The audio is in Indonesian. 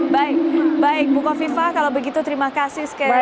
baik baik bu kofifa kalau begitu terima kasih sekali lagi